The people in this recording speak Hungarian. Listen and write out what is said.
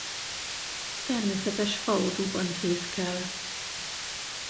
Természetes faodúban fészkel.